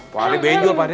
pak ade benjol pak ade